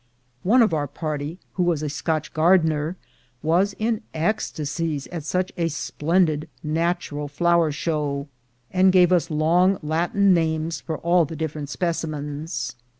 One of our party, who was a Scotch gardener, was in ecstasies at such a splendid natural flower show, and gave us long Latin names for all the different specimens.